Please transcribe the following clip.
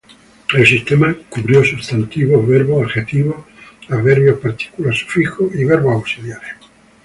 El sistema cubrió sustantivos, verbos, adjetivos, adverbios, partículas, sufijos, y verbos auxiliares.